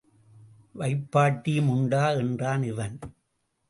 வைப்பாட்டியும் உண்டா? என்றான் இவன்.